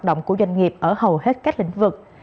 hoạt động của doanh nghiệp ở hầu hết các lĩnh vực